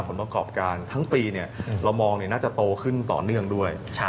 ผลประกอบการทั้งปีเรามองน่าจะโตขึ้นต่อเนื่องด้วย